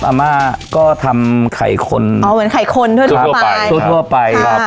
อาม่าก็ทำไข่คนอ๋อเหมือนไข่คนทั่วไปทั่วไปทั่วทั่วไปครับ